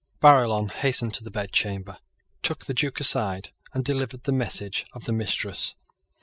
Barillon hastened to the bedchamber, took the Duke aside, and delivered the message of the mistress.